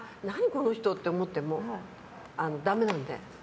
この人って思ってもダメなので。